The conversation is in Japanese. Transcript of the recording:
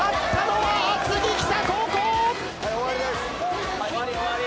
・はい終わりです。